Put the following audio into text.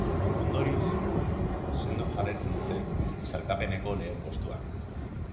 Ondorioz, sendo jarraitzen dute sailkapeneko lehen postuan.